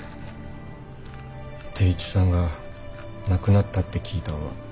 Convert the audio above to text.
定一さんが亡くなったって聞いたんは。